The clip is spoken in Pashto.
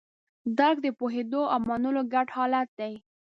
درک د پوهېدو او منلو ګډ حالت دی.